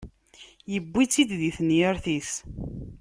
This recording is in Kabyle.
Iwwi-tt-id di tenyirt-is.